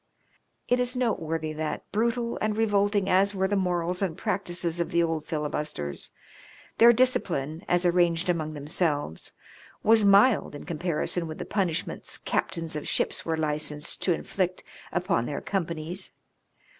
It is noteworthy that, brutal and revolting as were the morals and practices of the old filibusters, their discipline, as arranged among themselves, was mild in comparison with the punishments captains of ships were licensed to inflict upon their companies.